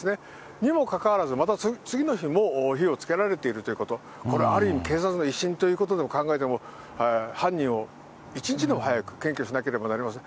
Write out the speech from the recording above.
にもかかわらず、また次の日も火をつけられているということと、これ、ある意味、警察の威信ということで考えても、犯人を一日でも早く検挙しなければなりません。